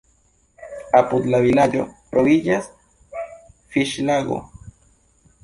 Apud la vilaĝo troviĝas fiŝlago.